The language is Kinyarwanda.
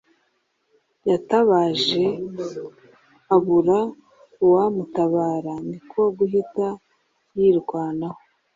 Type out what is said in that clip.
Yatabaje abura uwamutabara niko kuhita yirwanaho